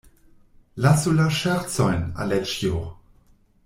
Lasu la ŝercojn, Aleĉjo!